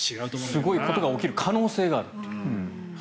すごいことが起きる可能性があると。